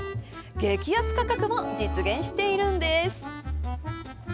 激安価格を実現しているんです。